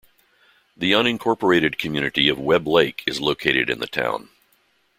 The unincorporated community of Webb Lake is located in the town.